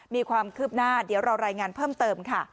มีความคืบหน้าเดี๋ยวเรารายงานเพิ่มเติมค่ะ